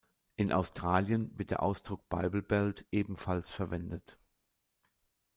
In Australien wird der Ausdruck Bible Belt ebenfalls verwendet.